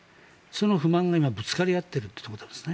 その不満が今、ぶつかり合っているということだと思います。